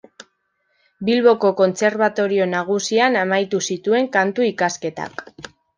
Bilboko Kontserbatorio Nagusian amaitu zituen Kantu ikasketak.